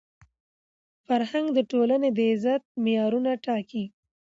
فرهنګ د ټولني د عزت معیارونه ټاکي.